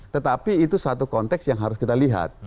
tetapi itu satu konteks yang harus kita lihat